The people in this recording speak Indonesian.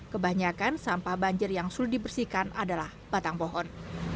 kebanyakan sampah banjir yang sulit dibersihkan adalah batang pohon